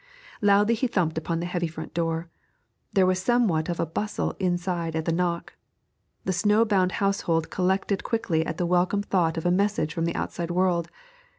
Loudly he thumped upon the heavy front door. There was somewhat of a bustle inside at the knock. The snow bound household collected quickly at the welcome thought of a message from the outside world.